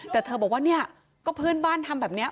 แต่เธอบอกว่าเนี่ยก็เพื่อนบ้านทำแบบนี้